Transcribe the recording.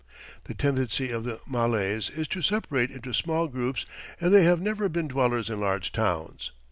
The tendency of the Malays is to separate into small groups, and they have never been dwellers in large towns.